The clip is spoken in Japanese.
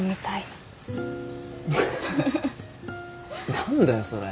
何だよそれ。